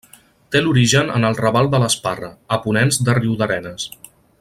Té l'origen en el Raval de l'Esparra, a ponent de Riudarenes.